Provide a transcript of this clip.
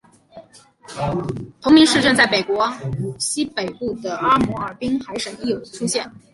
同名市镇在法国西北部的阿摩尔滨海省亦有出现。